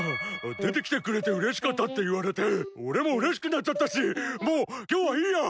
「でてきてくれてうれしかった」っていわれておれもうれしくなっちゃったしもうきょうはいいや！